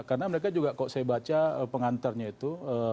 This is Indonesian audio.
karena mereka juga kalau saya baca pengantarnya itu